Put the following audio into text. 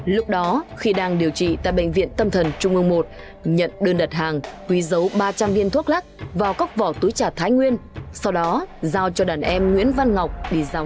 lúc đó khi đang điều trị tại bệnh viện tâm thần trung ương một nhận đơn đặt hàng quý giấu ba trăm linh viên thuốc lắc vào góc vỏ túi trà thái nguyên sau đó giao cho đàn em nguyễn văn ngọc đi giao hàng